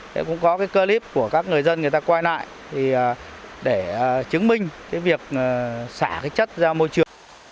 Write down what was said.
thì cũng có cái clip của các người dân người ta quay lại để chứng minh cái việc xả cái chất ra môi trường